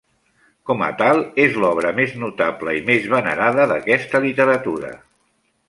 Com a tal, és l'obra més notable i més venerada d'aquesta literatura.